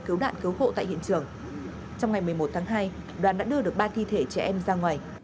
cứu nạn cứu hộ tại hiện trường trong ngày một mươi một tháng hai đoàn đã đưa được ba thi thể trẻ em ra ngoài